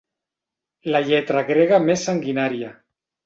La lletra grega més sanguinària.